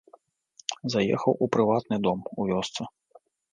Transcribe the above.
Заехаў у прыватны дом, у вёсцы.